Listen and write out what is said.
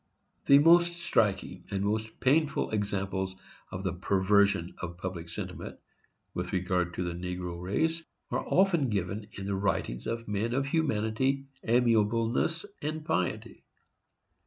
The most striking and the most painful examples of the perversion of public sentiment, with regard to the negro race, are often given in the writings of men of humanity, amiableness and piety.